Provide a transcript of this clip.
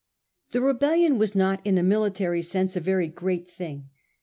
The rebellion was not in a military sense a very great thing.